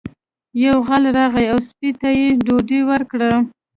یو غل راغی او سپي ته یې ډوډۍ ورکړه.